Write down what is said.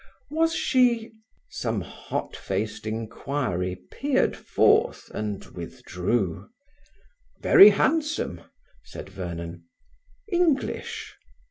"Was she? ..." some hot faced inquiry peered forth and withdrew. "Very handsome," said Vernon. "English?"